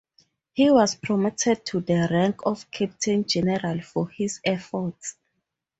He was promoted to the rank of captain general for his efforts.